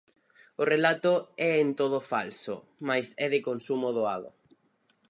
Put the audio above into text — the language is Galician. O relato é en todo falso, mais é de consumo doado.